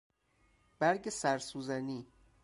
برگ سرسوزنی